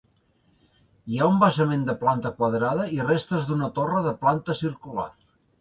Hi ha un basament de planta quadrada i restes d'una torre de planta circular.